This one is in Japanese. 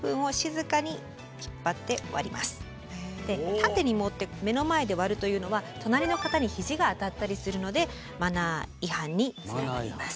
縦に持って目の前で割るというのは隣の方にひじが当たったりするのでマナー違反につながります。